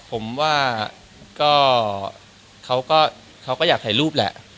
ผมว่าก็เขาก็อยากถ่ายรูปแหละ